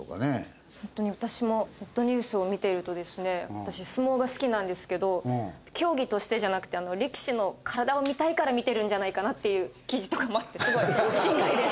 私相撲が好きなんですけど競技としてじゃなくて力士の体を見たいから見てるんじゃないかなっていう記事とかもあってすごい心外です。